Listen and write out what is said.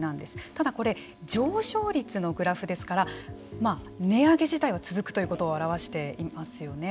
ただ、これ上昇率のグラフですからまあ値上げ自体は続くということを表していますよね。